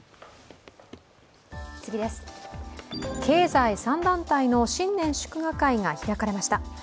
経済３団体の新年祝賀会が開かれました。